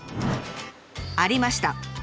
ありました！